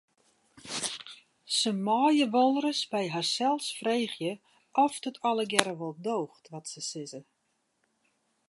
Se meie wolris by harsels freegje oft it allegearre wol doocht wat se sizze.